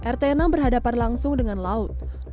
rt enam berhadapan langsung dengan laut